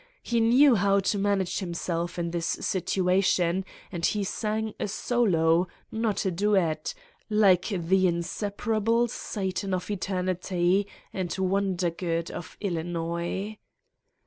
He knew how to manage himself in this situation and he sang a solo, not a duet, like the inseparable Satan of Eternity and Wondergood of Illinois